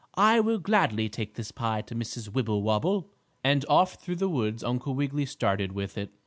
I will gladly take this pie to Mrs. Wibblewobble," and off through the woods Uncle Wiggily started with it.